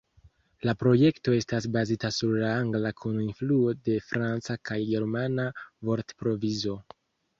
La projekto estas bazita sur la angla kun influo de franca kaj germana vortprovizo.